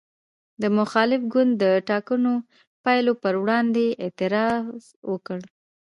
د مخالف ګوند د ټاکنو پایلو پر وړاندې اعتراض وکړ.